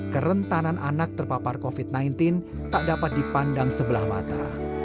kerentanan anak terpapar covid sembilan belas tak dapat dipandang sebelah mata